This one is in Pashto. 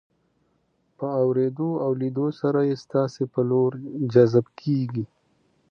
په اورېدو او لیدو سره یې ستاسو په لور جذب کیږي.